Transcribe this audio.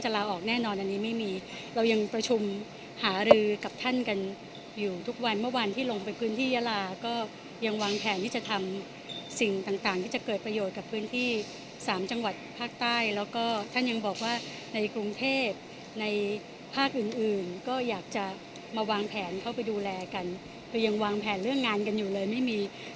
ลาออกแน่นอนอันนี้ไม่มีเรายังประชุมหารือกับท่านกันอยู่ทุกวันเมื่อวันที่ลงไปพื้นที่ยาลาก็ยังวางแผนที่จะทำสิ่งต่างที่จะเกิดประโยชน์กับพื้นที่สามจังหวัดภาคใต้แล้วก็ท่านยังบอกว่าในกรุงเทพในภาคอื่นอื่นก็อยากจะมาวางแผนเข้าไปดูแลกันคือยังวางแผนเรื่องงานกันอยู่เลยไม่มี